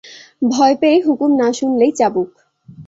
ভয় পেয়ে হুকুম না শুনলেই চাবুক।